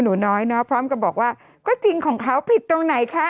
หนูน้อยเนาะพร้อมกับบอกว่าก็จริงของเขาผิดตรงไหนคะ